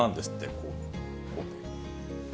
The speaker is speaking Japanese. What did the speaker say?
こう。